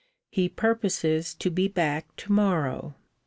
He purposes to be back to morrow.